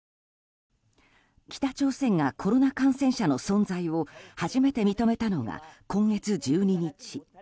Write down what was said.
北朝鮮がコロナ感染者の存在を初めて認めたのが今月１２日。